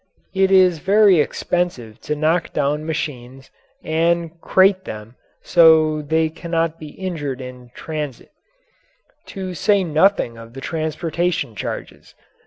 It is very expensive to knock down machines and crate them so that they cannot be injured in transit to say nothing of the transportation charges.